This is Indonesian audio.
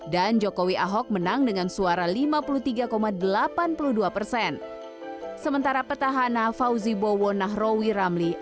dan jokowi ahok menang dengan suara lima puluh tiga delapan puluh dua persen sementara petahana fauzi bowo nahrawi ramli empat puluh enam delapan belas persen